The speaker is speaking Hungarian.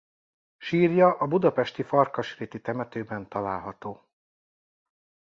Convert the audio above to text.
Sírja a budapesti farkasréti temetőben található.